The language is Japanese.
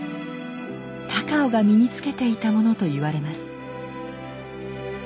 高尾が身につけていたものといわれます。